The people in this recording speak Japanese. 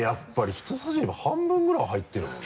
人さし指半分ぐらい入ってるもんな。